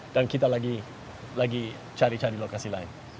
dan kita lagi cari cari lokasi lain